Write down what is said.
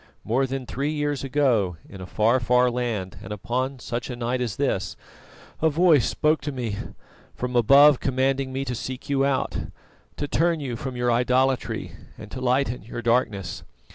More than three years ago, in a far, far land and upon such a night as this, a Voice spoke to me from above commanding me to seek you out, to turn you from your idolatry and to lighten your darkness.